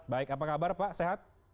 baik apa kabar pak sehat